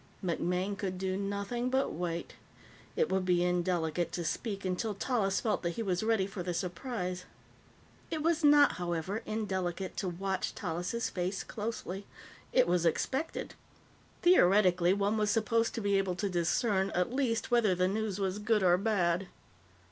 MacMaine could do nothing but wait. It would be indelicate to speak until Tallis felt that he was ready for the surprise. It was not, however, indelicate to watch Tallis' face closely; it was expected. Theoretically, one was supposed to be able to discern, at least, whether the news was good or bad.